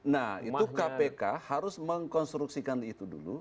nah itu kpk harus mengkonstruksikan itu dulu